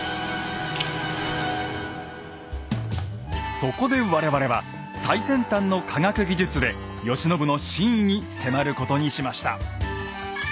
そこで我々は最先端の科学技術で慶喜の真意に迫ることにしました。